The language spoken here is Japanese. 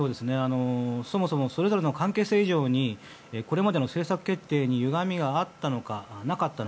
そもそもそれぞれの関係性以上にこれまでの政策決定にゆがみがあったのかどうか。